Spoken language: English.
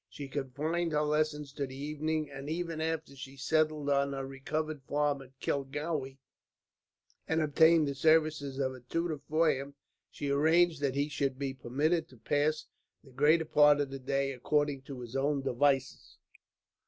She confined her lessons to the evening, and even after she settled on her recovered farm of Kilgowrie, and obtained the services of a tutor for him, she arranged that he should still be permitted to pass the greater part of the day according to his own devices.